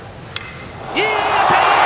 いい当たり！